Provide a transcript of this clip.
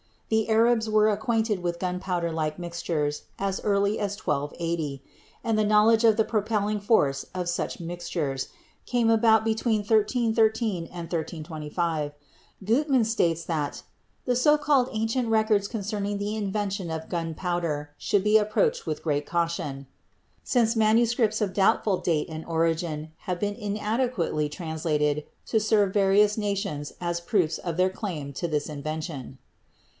The Arabs were acquainted with gunpowder like mixtures as early as 1280, and the knowledge of the propelling force of such mixtures came about between 1313 and 1325. Guttmann states that "the so called ancient records concerning the invention of gun powder should be approached with great caution," since manuscripts of doubtful date and origin have been inade quately translated to serve various nations as proofs of their claim to this invention.